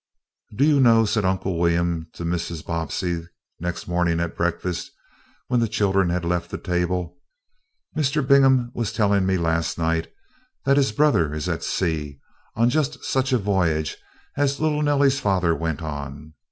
"Do you know," said Uncle William to Mrs. Bobbsey next morning at breakfast, when the children had left the table, "Mr. Bingham was telling me last night that his brother is at sea, on just such a voyage as little Nellie's father went on.